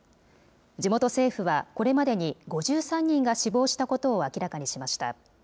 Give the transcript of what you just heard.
地元政府はこれまでに５３人が死亡したことを明らかにしました。